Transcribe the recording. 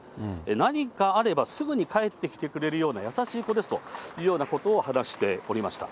何かあればすぐに帰ってきてくれるような優しい子ですというようなことを話しておりました。